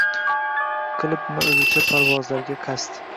Qilibmi o‘zicha parvozlarga qasd